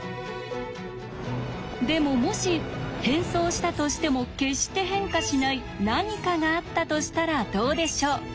でももし変装したとしても決して変化しない何かがあったとしたらどうでしょう。